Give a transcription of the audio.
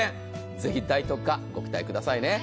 ぜひ大特価、ご期待くださいね。